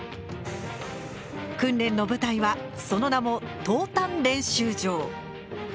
訓練の舞台はその名も投炭練習場。